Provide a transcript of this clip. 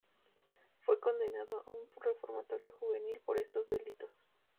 Fue condenado a un reformatorio juvenil por estos delitos.